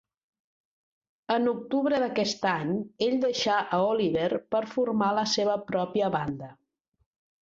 En octubre d'aquest any, ell deixà a Oliver per formar la seva pròpia banda.